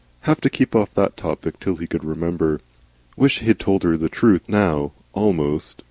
Have to keep off that topic until he could remember. Wish he'd told her the truth now almost.